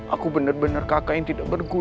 aku benar benar kakak yang tidak berguna